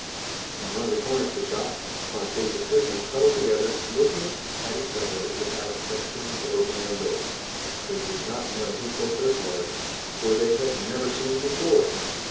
In one of the corners of the shop, Planchet's assistants, huddled together, looked at each other without venturing to open their lips. They did not know who Porthos was, for they had never seen him before.